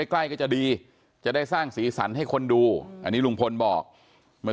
ใกล้ก็จะดีจะได้สร้างสีสันให้คนดูอันนี้ลุงพลบอกเมื่อ